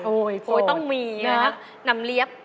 ต้องมีนะนำเลี้ยบ